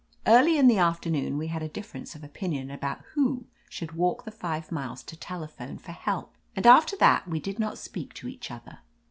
Early in the afternoon we had a difference of opinion about who should walk the five miles to telephone for help, and after that we did not speak to each other.